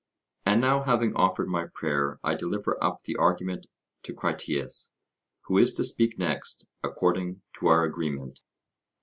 And now having offered my prayer I deliver up the argument to Critias, who is to speak next according to our agreement.